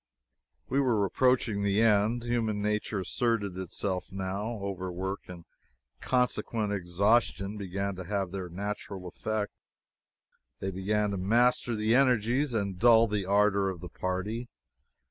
We were approaching the end. Human nature asserted itself, now. Overwork and consequent exhaustion began to have their natural effect. They began to master the energies and dull the ardor of the party.